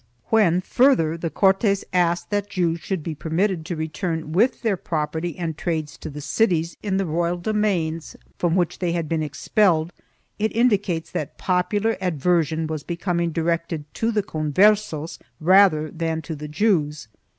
When further the Cortes asked that Jews should be per mitted to return with their property and trades to the cities in the royal domains from which they had been expelled, it indicates that popular aversion was becoming directed to the Conversos rather than to the Jews.